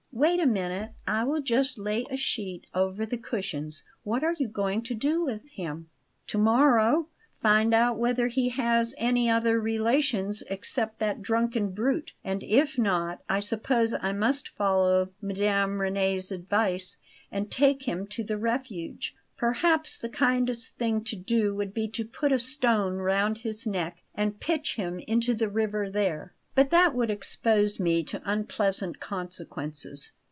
Wait a minute; I will just lay a sheet over the cushions. What are you going to do with him?" "To morrow? Find out whether he has any other relations except that drunken brute; and if not, I suppose I must follow Mme. Reni's advice, and take him to the Refuge. Perhaps the kindest thing to do would be to put a stone round his neck and pitch him into the river there; but that would expose me to unpleasant consequences.